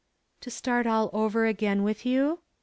"To start all over again with you?"